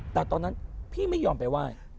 แต่ตอนนั้นพี่ไม่ยอมไปไหว้